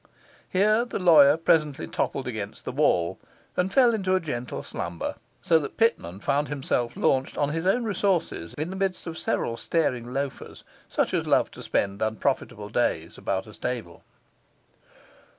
Here the lawyer presently toppled against the wall and fell into a gentle slumber; so that Pitman found himself launched on his own resources in the midst of several staring loafers, such as love to spend unprofitable days about a stable.